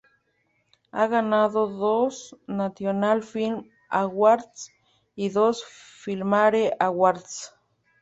Ha ganado dos National Film Awards y dos Filmfare Awards.